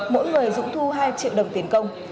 mỗi người dũng thu hai triệu đồng tiền công